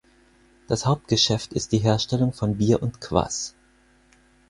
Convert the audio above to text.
Das Hauptgeschäft ist die Herstellung von Bier und Kwas.